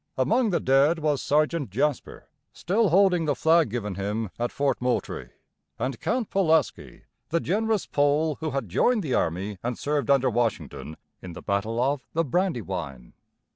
Among the dead was Sergeant Jasper, still holding the flag given him at Fort Moultrie, and Count Pulaski, the generous Pole who had joined the army and served under Washington in the battle of the Brandywine.